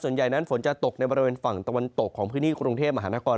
ส่วนใหญ่นั้นฝนจะตกในบริเวณฝั่งตะวันตกของพื้นที่กรุงเทพมหานคร